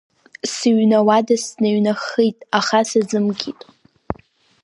Сыҩны ауада сныҩнаххит, аха сазымкит.